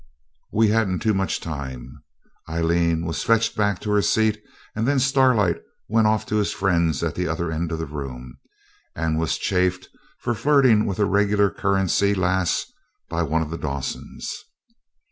We hadn't too much time. Aileen was fetched back to her seat, and then Starlight went off to his friends at the other end of the room, and was chaffed for flirting with a regular currency lass by one of the Dawsons.